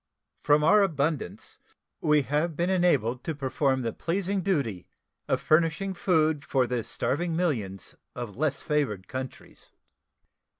From our abundance we have been enabled to perform the pleasing duty of furnishing food for the starving millions of less favored countries.